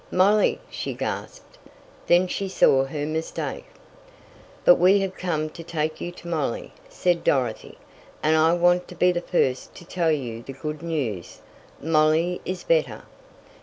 "Molly!" she gasped. Then she saw her mistake. "But we have come to take you to Molly," said Dorothy, "and I want to be the first to tell you the good news! Molly is better!"